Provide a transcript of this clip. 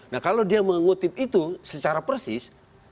nah kalau dia mengutip itu secara persis